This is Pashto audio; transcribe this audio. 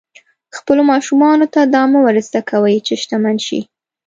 خپلو ماشومانو ته دا مه ور زده کوئ چې شتمن شي.